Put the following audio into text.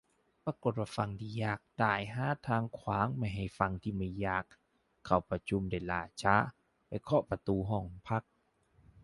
ปรากฏว่า ฝั่งที่อยากได้ หาทางขวางไม่ให้ฝั่งที่ไม่อยาก เข้าประชุมได้ล่าช้า ไปเคาะประตูห้องพัก